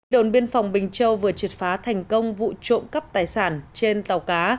đồn biên phòng bình châu vừa triệt phá thành công vụ trộm cắp tài sản trên tàu cá